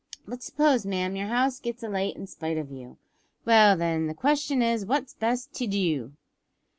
But suppose, ma'am, your house gets alight in spite of you well then, the question is what's best to do?"